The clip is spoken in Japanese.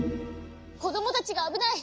こどもたちがあぶない！